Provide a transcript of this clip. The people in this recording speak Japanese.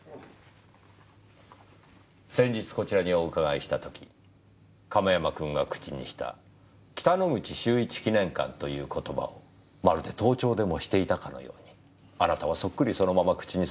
先日こちらにお伺いした時亀山君が口にした「北之口秀一記念館」という言葉をまるで盗聴でもしていたかのようにあなたはそっくりそのまま口にされました。